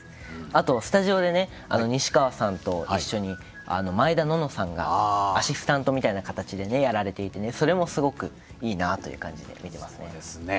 あと、スタジオで西川さんと一緒に毎田暖乃さんがアシスタントみたいな形でやられていてすごくいいなと見ています。